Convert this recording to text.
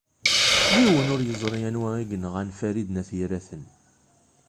Yiwen ur yeẓri anwa i yenɣan Farid n At Yiraten.